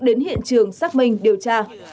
đến hiện trường xác minh điều tra